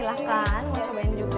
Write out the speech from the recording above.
silahkan mau cobain juga